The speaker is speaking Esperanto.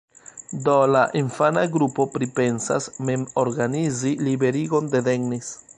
Do la infana grupo pripensas mem organizi liberigon de Dennis.